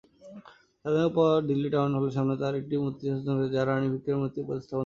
স্বাধীনতার পর দিল্লি টাউন হলের সামনে তার একটি মূর্তি স্থাপন করা হয়েছিল, যা রানী ভিক্টোরিয়ার মূর্তি প্রতিস্থাপন করেছিল।